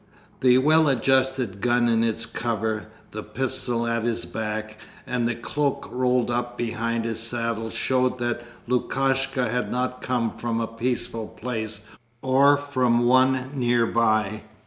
The well adjusted gun in its cover, the pistol at his back, and the cloak rolled up behind his saddle showed that Lukashka had not come from a peaceful place or from one near by.